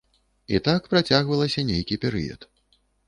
І так працягвалася нейкі перыяд.